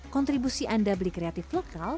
kontribusi anda beli kreatif lokal